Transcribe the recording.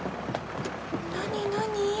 何何？